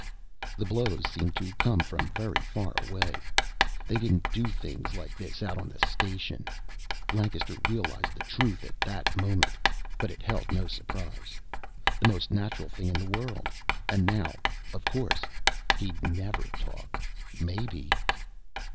The blows seemed to come from very far away. They didn't do things like this out in the station. Lancaster realized the truth at that moment, but it held no surprise. The most natural thing in the world. And now, of course, he'd never talk. Maybe.